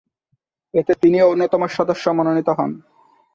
এতে তিনিও অন্যতম সদস্য মনোনীত হন।